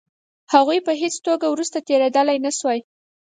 هغوی په هېڅ توګه ورڅخه تېرېدلای نه شوای.